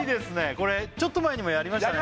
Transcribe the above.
これちょっと前にもやりましたね